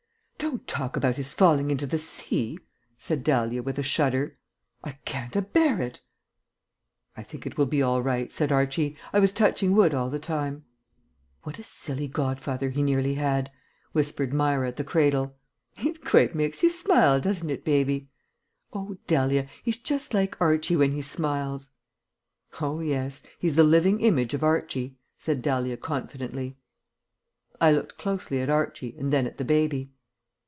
"Don't talk about his falling into the sea," said Dahlia, with a shudder; "I can't a bear it." "I think it will be all right," said Archie, "I was touching wood all the time." "What a silly godfather he nearly had!" whispered Myra at the cradle. "It quite makes you smile, doesn't it, baby? Oh, Dahlia, he's just like Archie when he smiles!" "Oh, yes, he's the living image of Archie," said Dahlia confidently. I looked closely at Archie and then at the baby.